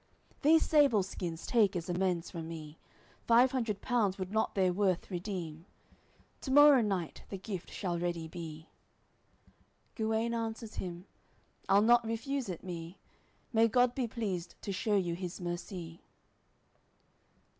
These sable skins take as amends from me, Five hundred pounds would not their worth redeem. To morrow night the gift shall ready be." Guene answers him: "I'll not refuse it, me. May God be pleased to shew you His mercy."